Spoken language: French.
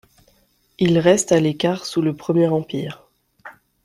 Il reste à l'écart sous le Premier Empire.